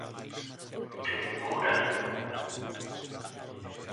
Ten cura?